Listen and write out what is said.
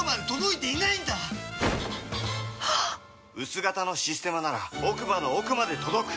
薄型の「システマ」なら奥歯の奥まで届く！